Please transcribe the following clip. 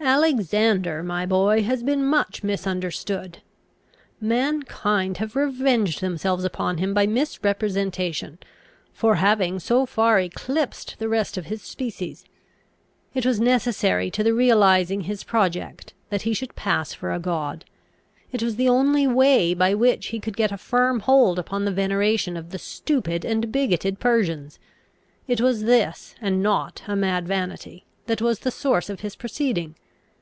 "Alexander, my boy, has been much misunderstood. Mankind have revenged themselves upon him by misrepresentation, for having so far eclipsed the rest of his species. It was necessary to the realising his project, that he should pass for a god. It was the only way by which he could get a firm hold upon the veneration of the stupid and bigoted Persians. It was this, and not a mad vanity, that was the source of his proceeding.